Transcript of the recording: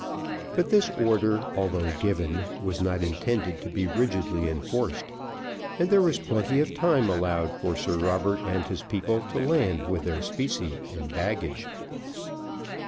But this order, although given, was not intended to be rigidly enforced, and there was plenty of time allowed for Sir Robert and his people to land with their specie and baggage.